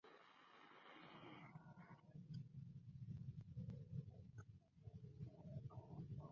Durante un período fue miembro de la Comisión de Manuscritos Históricos.